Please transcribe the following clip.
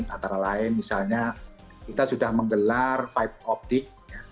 antara lain misalnya kita sudah menggelar fight optik